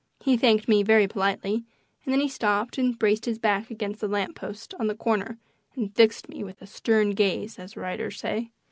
He thanked me very politely, and then he stopped and braced his back against the lamp post on the corner and "fixed me with a stern gaze," as writers say.